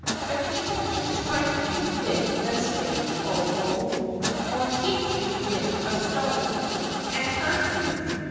The people may strike you with the spade [o o] Or hit you with a stone And hurt you.